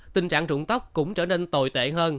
tình trạng trụng tóc cũng trở nên tồi tệ hơn